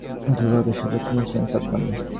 আক্রমণ করার জন্য দেশের দূর্বলতার সুযোগ নিয়েছে সাদ্দাম।